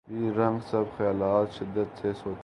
be رنگ سبز خیالات شدت سے سوتی ہیں